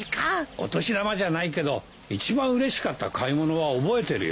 お年玉じゃないけど一番うれしかった買い物は覚えてるよ。